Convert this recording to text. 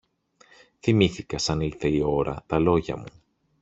θυμήθηκα, σαν ήλθε η ώρα, τα λόγια μου.